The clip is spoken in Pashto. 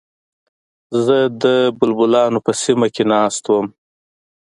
زه د بلبلانو په سیمه کې ناست وم.